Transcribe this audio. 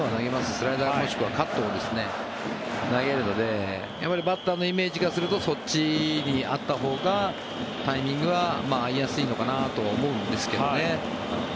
スライダーもしくはカットを投げるのでバッターのイメージからするとそっちにあったほうがタイミングは合いやすいのかなと思うんですけどね。